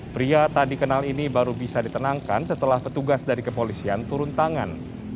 pria tak dikenal ini baru bisa ditenangkan setelah petugas dari kepolisian turun tangan